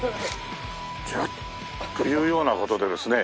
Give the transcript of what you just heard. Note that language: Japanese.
ジャッ！というような事でですね